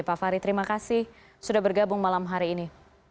pak fahri terima kasih sudah bergabung malam hari ini